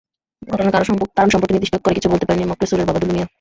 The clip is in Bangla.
ঘটনার কারণ সম্পর্কে নির্দিষ্ট করে কিছু বলতে পারেননি মকলেছুরের বাবা দুলু মিয়া।